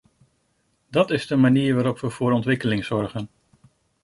Dat is de manier waarop we voor ontwikkeling zorgen.